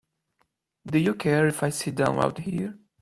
Do you care if I sit down out here?